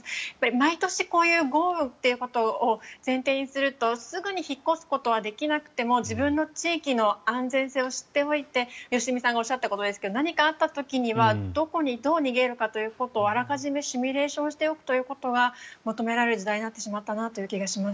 毎年、こういう豪雨っていうことを前提にすると、すぐに引っ越すことはできなくても自分の地域の安全性を知っておいて良純さんがおっしゃったことですけど何かあった時にはどこにどう逃げるかということをあらかじめシミュレーションしておくということが求められる時代になってしまったなという気がします。